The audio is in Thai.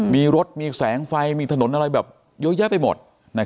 มีรถมีแสงไฟมีถนนอะไรแบบเยอะแยะไปหมด